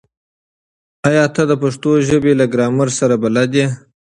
ایا ته د پښتو ژبې له ګرامر سره بلد یې؟